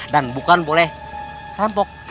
dan bukan boleh rampok